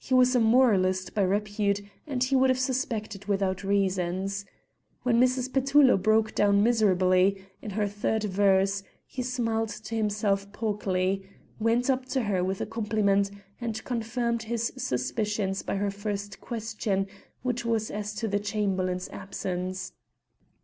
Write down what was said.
He was a moralist by repute, and he would have suspected without reasons. When Mrs. Petullo broke down miserably in her third verse, he smiled to himself pawkily, went up to her with a compliment, and confirmed his suspicions by her first question, which was as to the Chamberlain's absence.